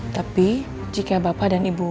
tapi jika bapak dan ibu